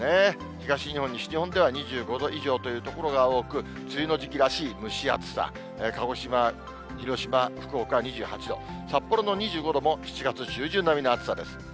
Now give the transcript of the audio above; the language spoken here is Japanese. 東日本、西日本では２５度以上という所が多く、梅雨の時期らしい蒸し暑さ、鹿児島、広島、福岡２８度、札幌の２５度も、７月中旬並みの暑さです。